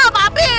pak abri ah